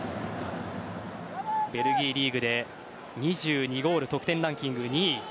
ベルギーリーグで２２ゴール、得点ランキング２位。